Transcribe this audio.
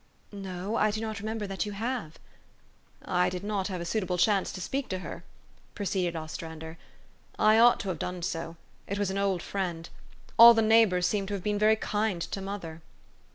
" No, I do not remember that you have." '' I did not have a suitable chance to speak to her," proceeded Ostrander : "I ought to have done so. It was an old friend. All the neighbors seem to have been very kind to mother."